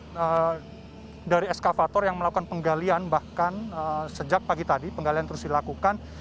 kemudian dari eskavator yang melakukan penggalian bahkan sejak pagi tadi penggalian terus dilakukan